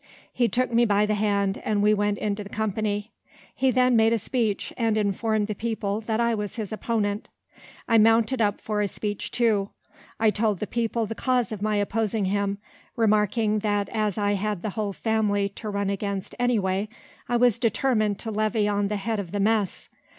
He took me by the hand, and we went into the company. He then made a speech, and informed the people that I was his opponent. I mounted up for a speech too. I told the people the cause of my opposing him, remarking that as I had the whole family to run against any way, I was determined to levy on the head of the mess.